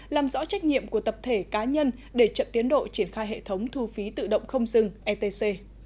làm rõ trách nhiệm của tập thể cá nhân để chậm tiến độ triển khai hệ thống thu phí tự động không dừng etc